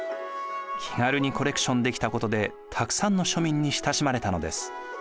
気軽にコレクションできたことでたくさんの庶民に親しまれたのです。